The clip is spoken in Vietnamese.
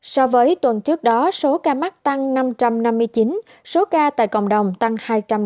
so với tuần trước đó số ca mắc tăng năm trăm năm mươi chín số ca tại cộng đồng tăng hai trăm linh ba